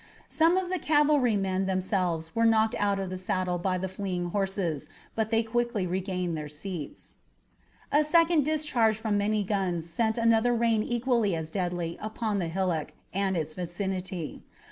Some of the cavalrymen themselves were knocked out of the saddle by the fleeing horses, but they quickly regained their seats. A second discharge from many guns sent another rain equally as deadly upon the hillock and its vicinity.